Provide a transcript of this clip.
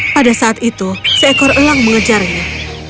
pada saat itu seekor elang mengejarnya